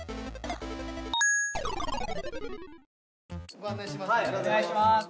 ご案内しますね。